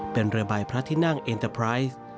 เป็นเรือใบพระที่นั่งเอ็นเตอร์ไพรส์